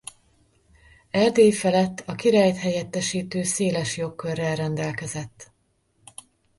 Erdély felett a királyt helyettesítő széles jogkörrel rendelkezett.